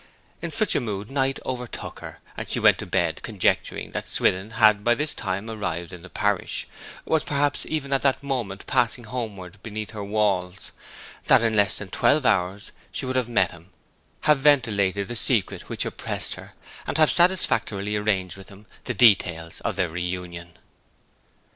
In such a mood night overtook her, and she went to bed conjecturing that Swithin had by this time arrived in the parish, was perhaps even at that moment passing homeward beneath her walls, and that in less than twelve hours she would have met him, have ventilated the secret which oppressed her, and have satisfactorily arranged with him the details of their reunion.